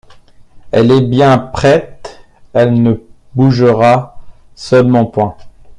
Elle est bien prête, elle ne bougera seulement point.